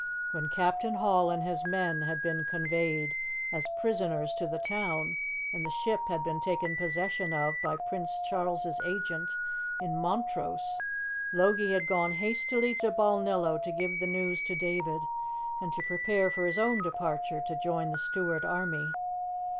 When Captain Hall and his men had been conveyed as prisoners to the town, and the ship had been taken possession of by Prince Charles' agent in Montrose, Logie had gone hastily to Balnillo to give the news to David, and to prepare for his own departure to join the Stuart army.